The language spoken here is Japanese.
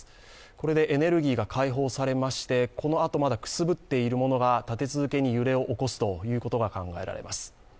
これでエネルギーが解放されまして、このあとくすぶっているものが立て続けに揺れを起こすということが考えられます。